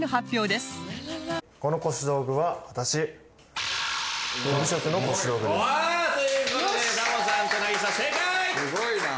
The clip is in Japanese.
すごいな。